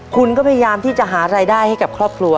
คุณก็พยายามที่จะหารายได้ให้กับครอบครัว